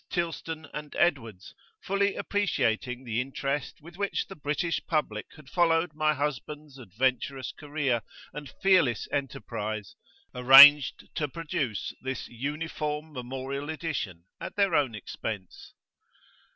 Tylston and Edwards, fully appreciating the interest with which the British Public had followed my husband's adventurous career and fearless enterprise, arranged to produce this uniform Memorial Edition at their own expense.